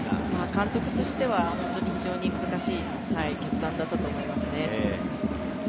監督としては非常に難しい決断だったと思いますね。